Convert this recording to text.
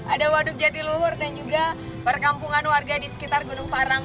ada waduk jatiluhur dan juga perkampungan warga di sekitar gunung parang